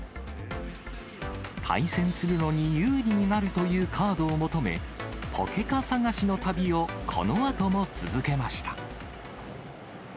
対戦するのに有利になるというカードを求め、ポケカ探しの旅を、このあとも続けました。